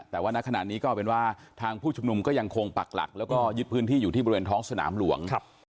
แต่ว่าณขณะนี้ก็เป็นว่าทางผู้ชุมนุมก็ยังคงปักหลักแล้วก็ยึดพื้นที่อยู่ที่บริเวณท้องสนามหลวง